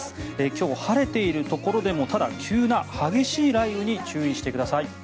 今日、晴れているところでもただ、急な激しい雷雨に注意してください。